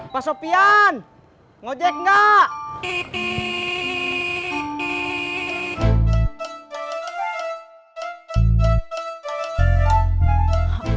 pak sofian ngejek gak